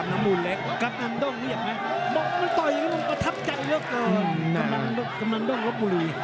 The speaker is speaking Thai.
แบบกำลังด้วงสูอยมั้ย